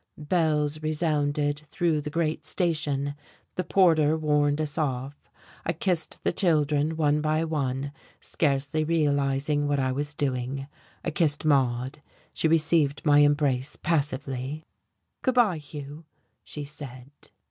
Bells resounded through the great station. The porter warned us off. I kissed the children one by one, scarcely realizing what I was doing. I kissed Maude. She received my embrace passively. "Good bye, Hugh," she said.